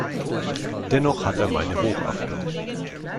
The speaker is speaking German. Dennoch hat er meine Hochachtung.